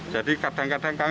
jadi kadang kadang kami